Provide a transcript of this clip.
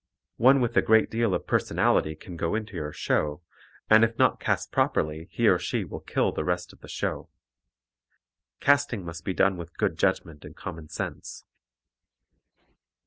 One with a great deal of personality can go into your show, and if not cast properly he or she will kill the rest of the show. Casting must be done with good judgment and common sense.